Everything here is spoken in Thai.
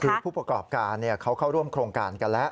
คือผู้ประกอบการเขาเข้าร่วมโครงการกันแล้ว